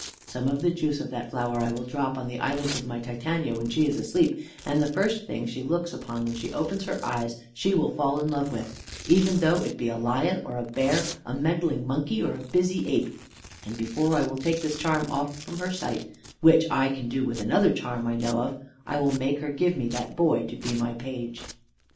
Some of the juice of that flower I will drop on the eyelids of my Titania when she is asleep; and the first thing she looks upon when she opens her eyes she will fall in love with, even though it be a lion or a bear, a meddling monkey, or a busy ape; and before I will take this charm from off her sight, which I can do with another charm I know of, I will make her give me that boy to be my page."